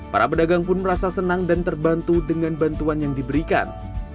para pedagang pun merasa senang dan terbantu dengan bantuan yang diberikan